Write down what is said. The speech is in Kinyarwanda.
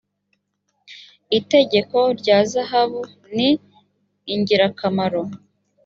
itegeko rya zahabu ni ingirakamaro